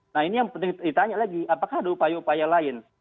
nah ini yang penting ditanya lagi apakah ada upaya upaya lain